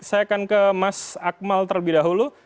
saya akan ke mas akmal terlebih dahulu